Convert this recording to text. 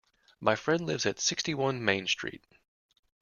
My friend lives at sixty-one Main Street